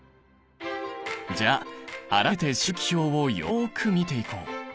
じゃあ改めて周期表をよく見ていこう。